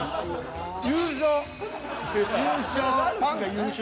優勝。